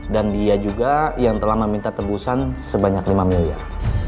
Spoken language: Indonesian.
dan dia juga yang telah meminta tebusan sebanyak lima miliar